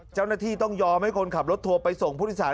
เจ้าหน้าที่ต้องยอมให้คนขับรถทัวร์ไปส่งผู้โดยสาร